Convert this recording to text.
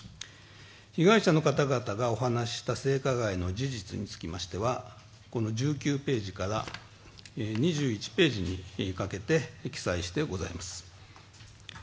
被害者の方々がお話しした性加害の事実につきましては１９ページから２１ページにかけて記載してございます。